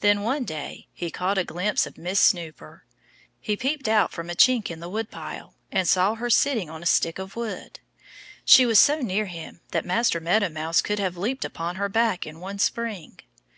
Then, one day, he caught a glimpse of Miss Snooper. He peeped out from a chink in the woodpile and saw her sitting on a stick of wood. She was so near him that Master Meadow Mouse could have leaped upon her back in one spring.